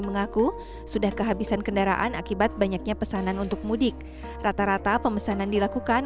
mengaku sudah kehabisan kendaraan akibat banyaknya pesanan untuk mudik rata rata pemesanan dilakukan